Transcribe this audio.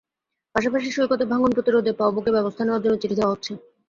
পাশাপাশি সৈকতে ভাঙন প্রতিরোধে পাউবোকে ব্যবস্থা নেওয়ার জন্য চিঠি দেওয়া হচ্ছে।